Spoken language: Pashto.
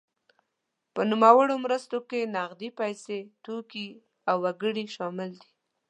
په نوموړو مرستو کې نغدې پیسې، توکي او وګړي شامل دي.